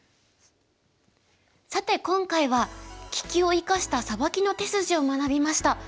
さて今回は利きを生かしたサバキの手筋を学びました。